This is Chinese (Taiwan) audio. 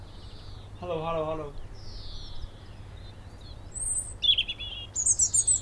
十二年國教教科書